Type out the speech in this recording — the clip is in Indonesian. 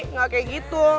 nggak kayak gitu